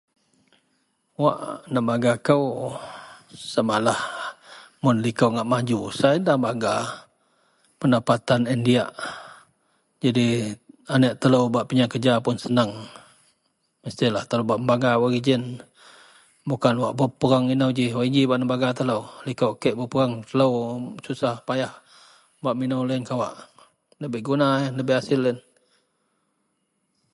Wak nebangga kou, samalah mun likou ngak maju, sai nda bangga. Pendapatan loyen diyak. Jadi aneak telou bak pinyeang kereja pun seneng. Mestilah telou bak membangga wak gejiyen bukan wak pepereng inou ji , wak yen ji bak nebangga telou. Likou kek pepereng telou susah payah bak minou loyen kawak. Ndabei guna yen ndabei asil yen.